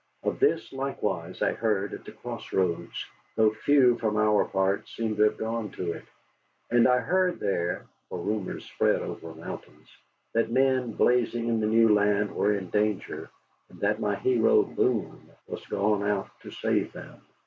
Of this likewise I heard at the Cross Roads, though few from our part seemed to have gone to it. And I heard there, for rumors spread over mountains, that men blazing in the new land were in danger, and that my hero, Boone, was gone out to save them.